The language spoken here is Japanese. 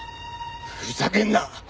ふざけんな！